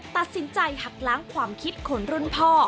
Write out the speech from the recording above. ตัดสินใจหักล้างความคิดคนรุ่นพ่อ